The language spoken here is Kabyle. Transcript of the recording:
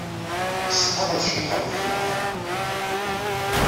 Setḥaɣ ad ceḍḥeɣ di tmeɣra.